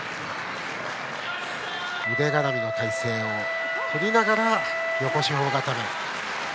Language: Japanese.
腕がらみの体勢をとりながらの横四方固め。